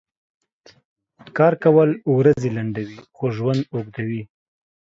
کار کؤل ؤرځې لنډؤي خو ژؤند اوږدؤي .